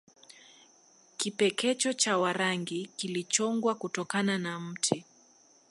Kipekecho cha Warangi kilichongwa kutokana na mti